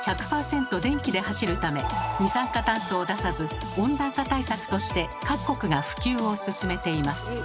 電気で走るため二酸化炭素を出さず温暖化対策として各国が普及を進めています。